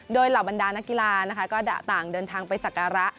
โดยเหล่าบรรดานักกีฬานะคะก็ต่างเดินทางไปสักการะ